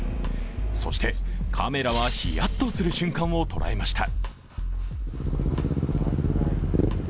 そしてカメラは、ヒヤッとする瞬間を捉えました。